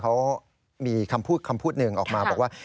เขามีคำพูดคำพูดหนึ่งออกมาบอกว่า